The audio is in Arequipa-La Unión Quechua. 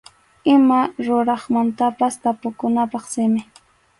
Ima ruraqmantapas tapukunapaq simi.